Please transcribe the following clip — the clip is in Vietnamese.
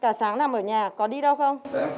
cả sáng nằm ở nhà có đi đâu không